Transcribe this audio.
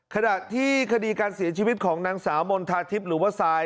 ขณะที่คดีการเสียชีวิตของนางสาวมณฑาทิพย์หรือว่าทราย